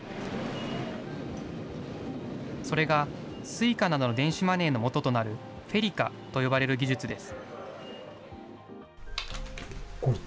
それが、Ｓｕｉｃａなどの電子マネーのもととなるフェリカと呼ばれる技術です。